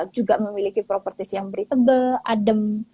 juga memiliki propertis yang breathable adem